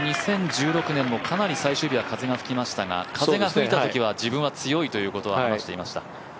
２０１６年もかなり最終日は風が吹きましたが風が吹いたときは自分は強いということは話していました。